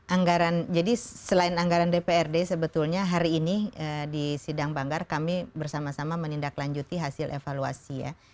anggaran jadi selain anggaran dprd sebetulnya hari ini di sidang banggar kami bersama sama menindaklanjuti hasil evaluasi ya